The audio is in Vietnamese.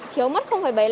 thiếu mất bảy mươi năm